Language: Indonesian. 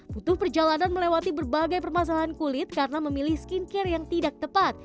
butuh perjalanan melewati berbagai permasalahan kulit karena memilih skincare yang tidak tepat